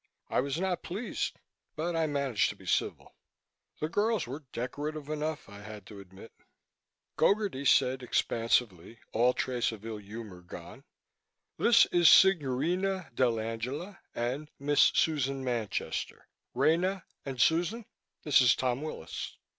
I was not pleased, but I managed to be civil. The girls were decorative enough, I had to admit. Gogarty said expansively, all trace of ill humor gone, "This is Signorina dell'Angela and Miss Susan Manchester. Rena and Susan, this is Tom Wills."